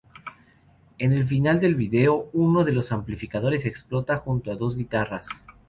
En el final del video, uno de los amplificadores explota junto a dos guitarras.